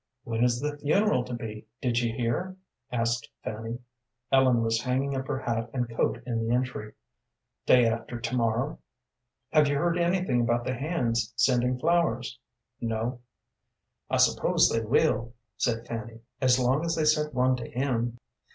"When is the funeral to be, did you hear?" asked Fanny. Ellen was hanging up her hat and coat in the entry. "Day after to morrow." "Have you heard anything about the hands sending flowers?" "No." "I suppose they will," said Fanny, "as long as they sent one to him.